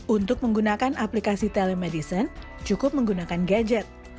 untuk menggunakan aplikasi telemedicine cukup menggunakan gadget